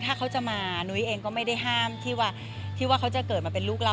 ถ้าเขาจะมานุ้ยเองก็ไม่ได้ห้ามที่ว่าที่ว่าเขาจะเกิดมาเป็นลูกเรา